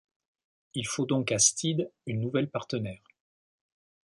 Il faut donc à Steed une nouvelle partenaire.